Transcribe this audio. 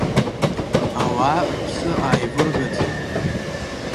Ауаа рԥсы ааивыргаӡеит.